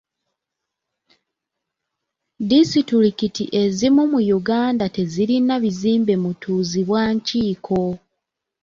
Disitulikiti ezimu mu Uganda tezirina bizimbe mutuuzibwa nkiiko.